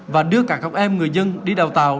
và đưa cả cộng em người dân đi đào tạo